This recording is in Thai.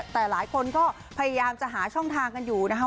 แต่หลายคนก็พยายามจะหาช่องทางกันอยู่นะคะ